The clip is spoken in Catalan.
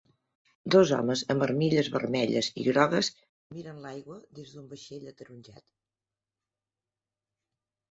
Dos homes amb armilles vermelles i grogues miren l'aigua des d'un vaixell ataronjat.